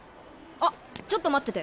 あっちょっと待ってて。